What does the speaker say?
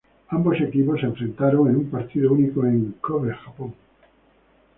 Ambos equipos se enfrentaron en un partido único en Kōbe, Japón.